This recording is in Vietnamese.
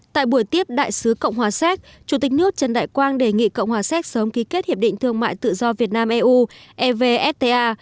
tại buổi tiếp đại sứ cộng hòa séc chủ tịch nước trần đại quang đề nghị cộng hòa séc sớm ký kết hiệp định thương mại tự do việt nam eu evfta